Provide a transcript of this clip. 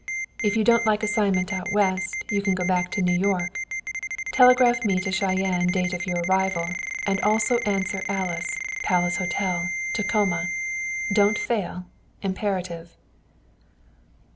If you don't like assignment out West, you can go back to New York. Telegraph me to Cheyenne date of your arrival, and also answer Alice. Palace Hotel, Tacoma. Don't fail. Imperative."